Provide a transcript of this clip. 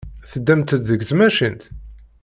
Teddamt-d deg tmacint?